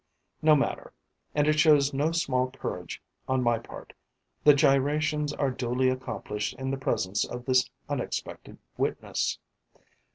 No matter and it shows no small courage on my part the gyrations are duly accomplished in the presence of this unexpected witness.